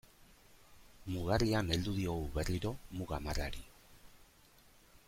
Mugarrian heldu diogu berriro muga marrari.